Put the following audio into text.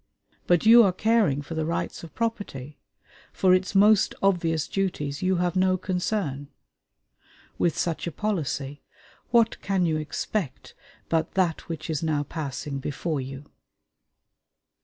But you are caring for the rights of property; for its most obvious duties you have no concern. With such a policy, what can you expect but that which is now passing before you?